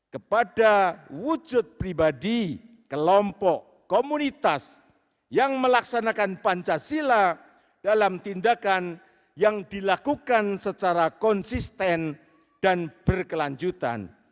kepada wujud pribadi kelompok komunitas yang melaksanakan pancasila dalam tindakan yang dilakukan secara konsisten dan berkelanjutan